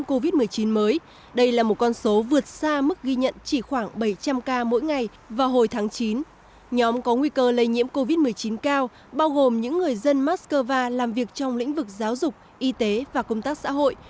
covid một mươi chín cao bao gồm những người dân moscow làm việc trong lĩnh vực giáo dục y tế và công tác xã hội